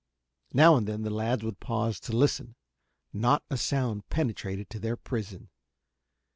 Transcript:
Now and then the lads would pause to listen. Not a sound penetrated to their prison.